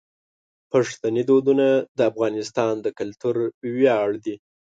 پښتني دودونه د افغانستان د کلتور ویاړ دي.